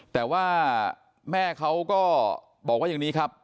แต่ว่าแม่เขาก็บอกว่าอย่างนี้ครับ